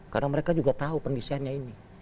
karena mereka juga tahu pendisainnya ini